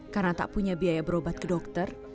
karena tak punya biaya berobat ke dokter